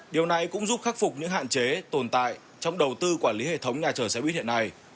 điều này cũng giúp khắc phục những hạn chế tồn tại trong đầu tư quản lý hệ thống nhà chờ xe buýt hiện nay